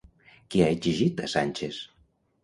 Què ha exigit a Sánchez?